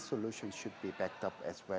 solusi it harus dikawal